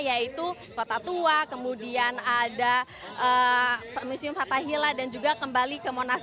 yaitu kota tua kemudian ada museum fathahila dan juga kembali ke monas